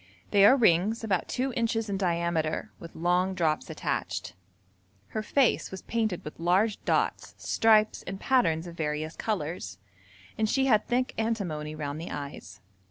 They are rings about two inches in diameter, with long drops attached. Her face was painted with large dots, stripes, and patterns of various colours, and she had thick antimony round the eyes.